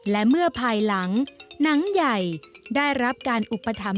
และเมื่อภายหลังหนังใหญ่ได้รับการอุปถัมภ